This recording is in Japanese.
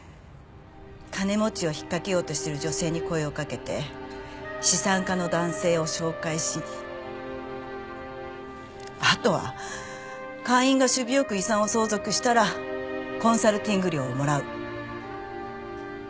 金持ちを引っかけようとしている女性に声をかけて資産家の男性を紹介しあとは会員が首尾よく遺産を相続したらコンサルティング料をもらう。